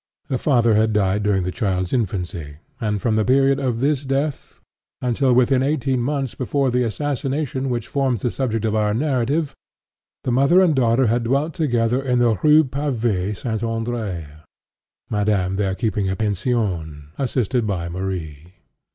The father had died during the child's infancy, and from the period of his death, until within eighteen months before the assassination which forms the subject of our narrative, the mother and daughter had dwelt together in the Rue Pavée Saint Andrée; (*3) Madame there keeping a pension, assisted by Marie.